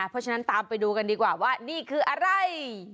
เพราะฉะนั้นตามไปดูกันดีกว่าว่านี่คืออะไร